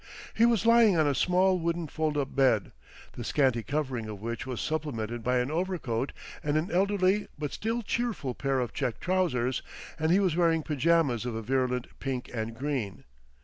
He was lying on a small wooden fold up bed, the scanty covering of which was supplemented by an overcoat and an elderly but still cheerful pair of check trousers, and he was wearing pajamas of a virulent pink and green.